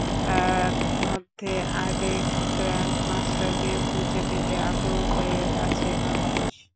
তার মধ্যেই আরেক গ্র্যান্ড মাস্টারকে খুঁজে পেতে আকুল হয়ে আছে বাংলাদেশ।